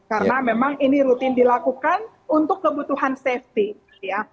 karena memang ini rutin dilakukan untuk kebutuhan safety